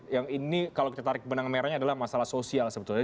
yang ini kalau kita tarik benang merahnya adalah masalah sosial sebetulnya